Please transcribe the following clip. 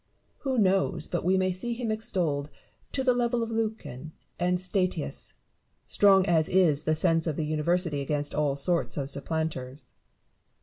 Who knows but wo may see him extolled to the level of Lucan and Statius, strong as is the sense of the University against all sorts of supplanters